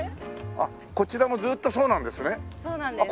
こちらもずっとそうなんですね？